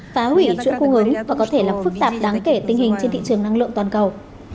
phá hủy chuỗi cung ứng và có thể làm phức tạp đáng kể tình hình trên thị trường năng lượng toàn cầu